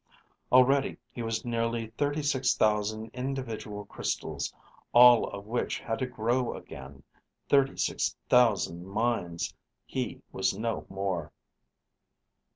Already he was nearly thirty six thousand individual crystals, all of which had to grow again, thirty six thousand minds. He was no more.